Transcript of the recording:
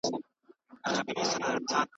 نه د بل پر حیثیت وي نه د خپلو .